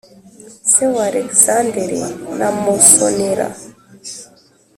se wa Alegizanderi na Mosonela